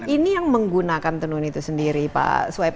ini yang menggunakan tenun itu sendiri pak swaib